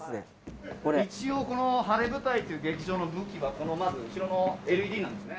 一応このハレヴタイという劇場の武器はまず後ろのＬＥＤなんですね。